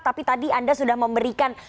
tapi tadi anda sudah memberikan